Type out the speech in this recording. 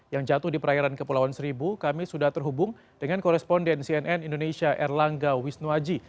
yang jatuh di perairan kepulauan seribu kami sudah terhubung dengan koresponden cnn indonesia erlangga wisnuwaji